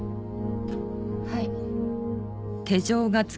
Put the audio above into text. はい。